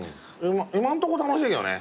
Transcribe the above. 今んとこ楽しいけどね。